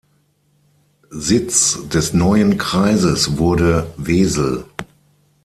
Sitz des neuen Kreises wurde Wesel.